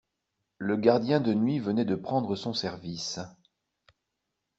Le gardien de nuit venait de prendre son service.